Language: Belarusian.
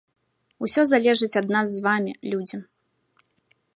Усё залежыць ад нас з вамі, людзі.